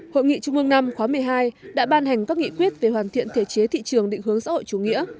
hội nghị trung ương năm khóa một mươi hai đã ban hành các nghị quyết về hoàn thiện thể chế thị trường định hướng xã hội chủ nghĩa